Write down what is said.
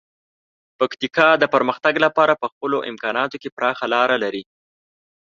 پکتیکا د پرمختګ لپاره په خپلو امکاناتو کې پراخه لاره لري.